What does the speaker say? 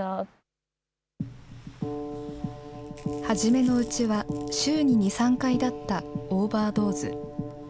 初めのうちは週に２、３回だったオーバードーズ。